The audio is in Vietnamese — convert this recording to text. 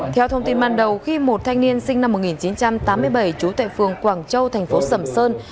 theo thông tin màn đầu khi một thanh niên sinh năm một nghìn chín trăm tám mươi bảy chú tại phường quảng châu thành phố sẩm sơn